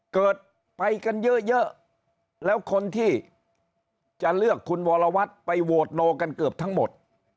เกิดไปกันเยอะแล้วคนที่จะเลือกคุณวรวัตรไปโหวตโนกันเกือบทั้งหมด